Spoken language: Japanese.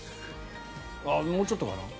もうちょっとかな？